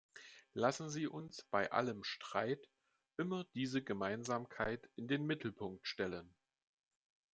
Lassen Sie uns bei allem Streit immer diese Gemeinsamkeit in den Mittelpunkt stellen.